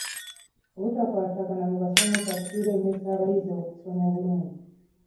Obutakwatagana mu basomesa kilemesa abayizi okusoma obulungi.